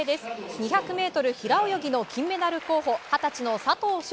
２００ｍ平泳ぎの金メダル候補二十歳の佐藤翔